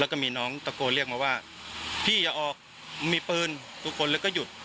แล้วก็มีน้องตะโกนเรียกมาว่าพี่อย่าออกมีปืนทุกคนแล้วก็หยุด